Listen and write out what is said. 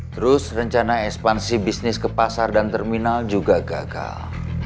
terus rencana ekspansi bisnis ke pasar dan terminal juga gagal